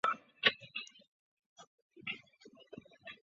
美分是美元最小的使用单位。